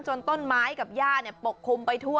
ต้นไม้กับย่าปกคลุมไปทั่ว